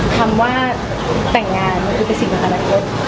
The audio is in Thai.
คำว่าแต่งงานมันก็เป็นสิ่งทางการรักษ์